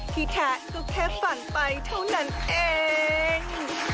แท้ก็แค่ฝันไปเท่านั้นเอง